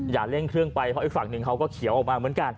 อย่าเร่งเครื่องไปเพราะอีกฝั่งหนึ่งเขาก็เขียวออกมาเหมือนกัน